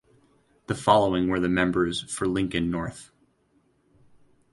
The following were the members for Lincoln North.